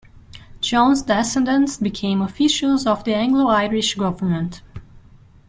John's descendants became officials of the Anglo-Irish government.